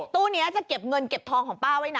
ตู้นี้จะเก็บเงินเก็บทองของป้าไว้นะ